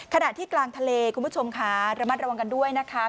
ขณะที่กลางทะเลคุณผู้ชมค่ะระมัดระวังกันด้วยนะคะ